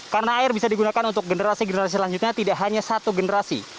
karena air bisa digunakan untuk generasi generasi selanjutnya tidak hanya satu generasi